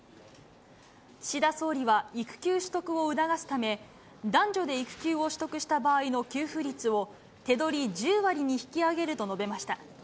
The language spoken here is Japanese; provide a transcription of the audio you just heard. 岸田総理は育休取得を促すため、男女で育休を取得した場合の給付率を手取り１０割に引き上げると述べました。